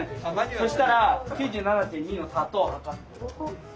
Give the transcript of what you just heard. そしたら９７．２の砂糖を量って。